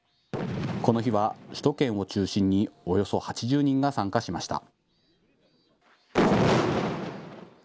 この日は首都圏を中心におよそ８０人が参加しました。